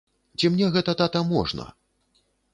Ці мне гэта, тата, можна?